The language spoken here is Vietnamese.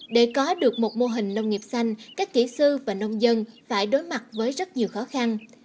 để có được một mô hình nông nghiệp xanh các kỹ sư và nông dân phải đối mặt với rất nhiều khó khăn